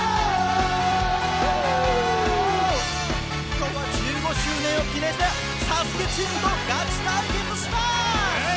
今日は１５周年を記念して「ＳＡＳＵＫＥ」チームとガチ対決です。